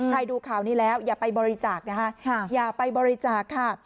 ใครดูข่าวนี้แล้วอย่าไปบริจาคค่ะ